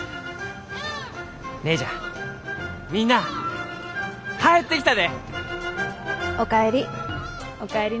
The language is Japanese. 姉ちゃんみんなあ帰ってきたで！お帰り。